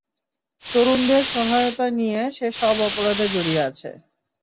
তরুণদের সহায়তা নিয়ে সে সব অপরাধে জড়িয়ে আছে।